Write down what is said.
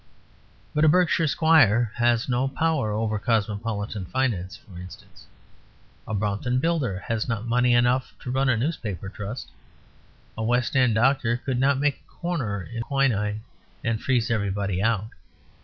But a Berkshire squire has no power over cosmopolitan finance, for instance. A Brompton builder has not money enough to run a Newspaper Trust. A West End doctor could not make a corner in quinine and freeze everybody out.